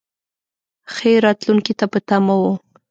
ښې راتلونکې ته په تمه و.